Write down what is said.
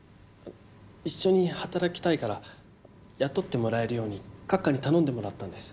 一緒に働きたいから雇ってもらえるように閣下に頼んでもらったんです。